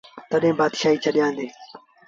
تڏهيݩ بآتشآهيٚ ڇڏيآندي۔